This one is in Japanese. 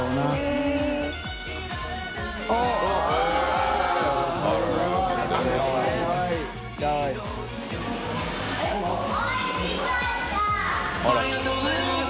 ありがとうございます。